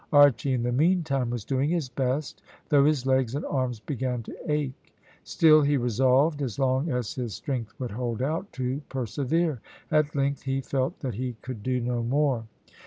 Archy in the meantime was doing his best, though his legs and arms began to ache; still he resolved, as long as his strength would hold out, to persevere. At length he felt that he could do no more.